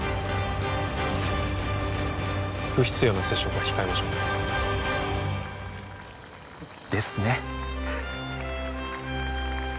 不必要な接触は控えましょうですね